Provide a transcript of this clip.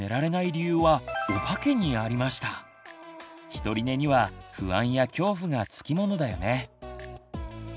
ひとり寝には不安や恐怖がつきものだよね。